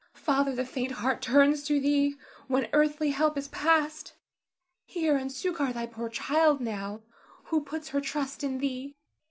Father, the faint heart turns to thee when earthly help is past; hear and succor thy poor child now, who puts her trust in thee.